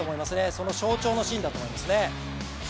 その象徴のシーンだと思いますね。